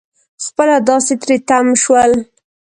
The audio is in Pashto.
خپله داسې تری تم شول.